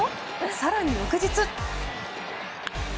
更に、翌日。